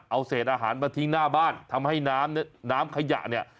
เอาเศษอาหารมาทิ้งหน้าบ้านทำให้น้ำน้ำขยะเนี่ย